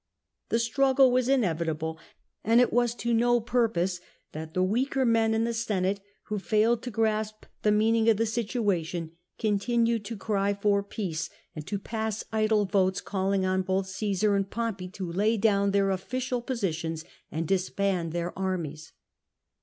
The struggle was inevitable, and it was to no purpose that the weaker men in the Senate, who failed to grasp the meaning of the situation, continued to cry for peace 28 o POMPEY and to pass idle votes calling on both Ciosar and Pompey to lay down their official positions and disband their armies.